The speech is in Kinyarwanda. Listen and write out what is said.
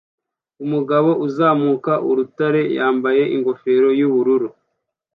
Umugabo uzamuka urutare yambaye ingofero yubururu